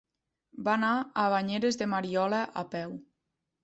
Va anar a Banyeres de Mariola a peu.